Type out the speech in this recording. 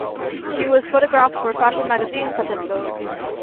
She was photographed for fashion magazines such as "Vogue".